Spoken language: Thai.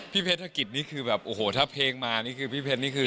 เพชรธกิจนี่คือแบบโอ้โหถ้าเพลงมานี่คือพี่เพชรนี่คือ